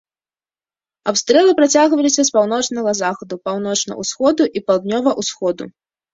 Абстрэлы працягваліся з паўночнага захаду, паўночна-усходу і паўднёва-усходу.